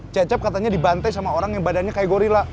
cecep katanya dibantai sama orang yang badannya kayak gorilla